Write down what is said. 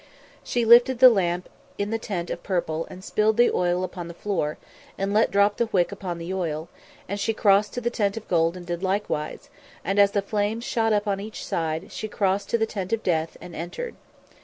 She lifted the lamp in the Tent of Purple and spilled the oil upon the floor, and let drop the wick upon the oil; and she crossed to the Tent of Gold and did likewise, and as the flames shot up on each side, she crossed to the Tent of Death, and entered.